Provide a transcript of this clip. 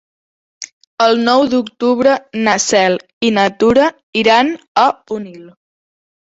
El nou d'octubre na Cel i na Tura iran a Onil.